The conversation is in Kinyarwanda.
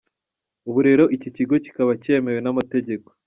Ubu rero iki kigo kikaba cyemewe n’amategeko.